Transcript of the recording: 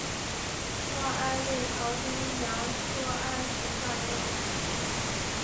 葡萄桉为桃金娘科桉属下的一个种。